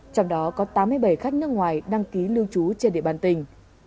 trong đó có tám mươi bảy khách nước ngoài đăng ký lưu trú trên địa bàn tỉnh